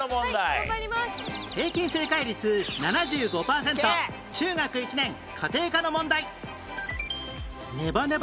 平均正解率７５パーセント中学１年家庭科の問題